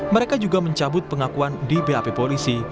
mereka juga mencabut pengakuan di bap polisi